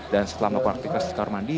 dan setelah melakukan aktivitas di kamar mandi